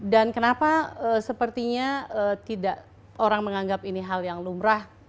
dan kenapa sepertinya tidak orang menganggap ini hal yang lumrah